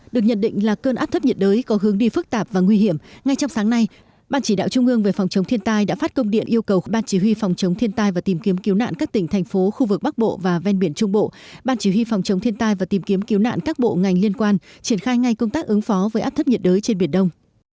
được nhận định là cơn áp thấp nhiệt đới có hướng đi phức tạp và nguy hiểm ngay trong sáng nay ban chỉ đạo trung ương về phòng chống thiên tai đã phát công điện yêu cầu ban chỉ huy phòng chống thiên tai và tìm kiếm cứu nạn các tỉnh thành phố khu vực bắc bộ và ven biển trung bộ ban chỉ huy phòng chống thiên tai và tìm kiếm cứu nạn các bộ ngành liên quan triển khai ngay công tác ứng phó với áp thấp nhiệt đới trên biển đông